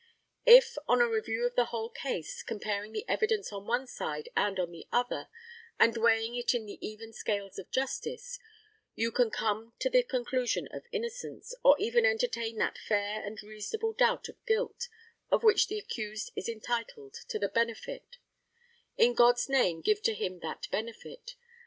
If, on a review of the whole case, comparing the evidence on one side and on the other, and weighing it in the even scales of justice, you can come to the conclusion of the innocence, or even entertain that fair and reasonable doubt of guilt, of which the accused is entitled to the benefit, in God's name give to him that benefit.